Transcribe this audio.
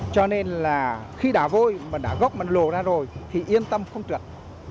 cho nên là khi đà vôi mà đã góc mặt lồ ra rồi thì yên tâm không trượt